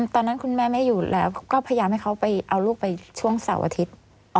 ตอนนั้นคุณแม่ไม่อยู่แล้วก็พยายามให้เขาไปเอาลูกไปช่วงเสาร์อาทิตย์